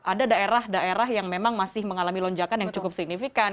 ada daerah daerah yang memang masih mengalami lonjakan yang cukup signifikan